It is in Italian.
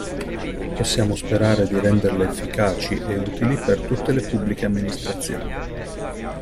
Possiamo sperare di renderle efficaci e utili per tutte le Pubbliche Amministrazioni.